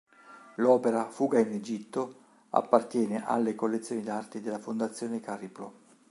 L'opera "Fuga in Egitto" appartiene alle collezioni d'arte della Fondazione Cariplo